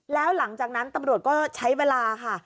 แล้วหลังจากนั้นตำรวจก็ใช้เวลาค่ะ